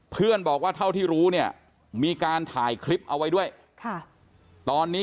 เพื่อนบอกว่าเท่าที่รู้เนี่ยมีการถ่ายคลิปเอาไว้ด้วยค่ะตอนนี้